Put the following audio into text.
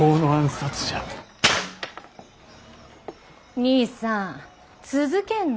にいさん続けんの？